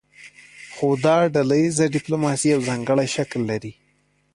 خو دا ډله ایزه ډیپلوماسي یو ځانګړی شکل لري